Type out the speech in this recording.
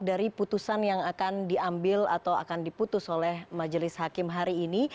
dari putusan yang akan diambil atau akan diputus oleh majelis hakim hari ini